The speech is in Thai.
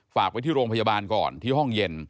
ฝากไว้ที่โรงพยาบาลก่อนที่ห้องเย็น